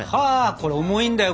これ重いんだよ。